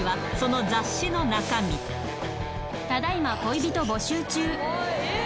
只今恋人募集中。